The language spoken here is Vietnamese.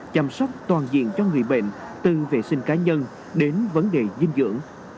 chăm sóc toàn diện cho người bệnh từ vệ sinh cá nhân đến vấn đề dinh dưỡng